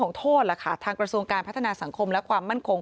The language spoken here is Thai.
โทษล่ะค่ะทางกระทรวงการพัฒนาสังคมและความมั่นคง